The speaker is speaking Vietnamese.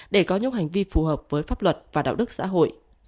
để có những hành vi phù hợp với pháp luật và đạo đức xã hội